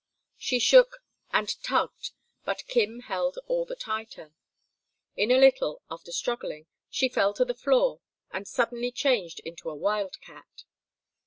She shook and tugged, but Kim held all the tighter. In a little, after struggling, she fell to the floor and suddenly changed into a wild cat.